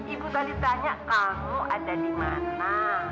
ibu tadi tanya kamu ada di mana